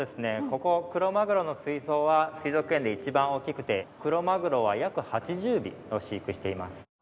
ここクロマグロの水槽は水族園で一番大きくてクロマグロは約８０尾を飼育しています。